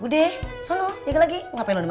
udah sono jaga lagi ngapain lo dimana